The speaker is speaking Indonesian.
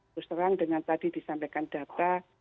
terus terang dengan tadi disampaikan data